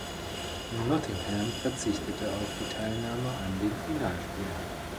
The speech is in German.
Nottingham verzichtete auf die Teilnahme an den Finalspielen.